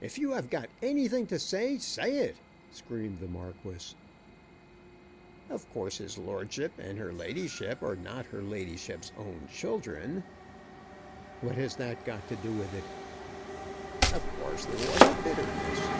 "If you have got anything to say, say it," screamed the Marquis. "Of course his lordship and her ladyship are not her ladyship's own children." "What has that got to do with it?" "Of course there was a bitterness."